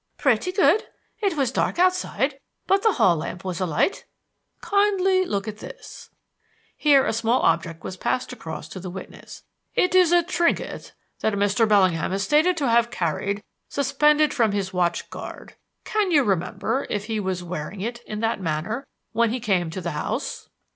"Pretty good. It was dark outside, but the hall lamp was alight." "Kindly look at this" here a small object was passed across to the witness. "It is a trinket that Mr. Bellingham is stated to have carried suspended from his watch guard. Can you remember if he was wearing it in that manner when he came to the house?"